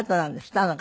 あの方。